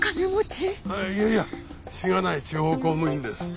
いやいやしがない地方公務員です。